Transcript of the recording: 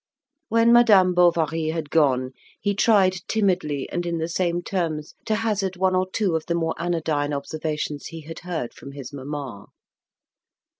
When Madam Bovary had gone, he tried timidly and in the same terms to hazard one or two of the more anodyne observations he had heard from his mamma.